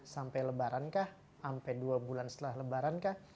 sampai lebaran kah sampai dua bulan setelah lebaran kah